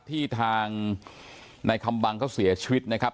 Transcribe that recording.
ที่ทางไนคำบังก็เสียชวิตนะครับ